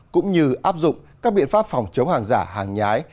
cũng như áp dụng các biện pháp phòng chống hàng giả hàng nhái